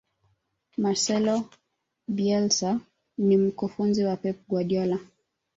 marcelo bielsa ni mkufunzi wa pep guardiola